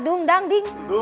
dung dang ding